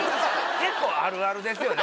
結構あるあるですよね。